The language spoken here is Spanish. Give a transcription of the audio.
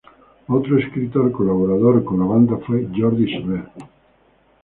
Otro escritor colaborador con la banda fue Jordi Soler.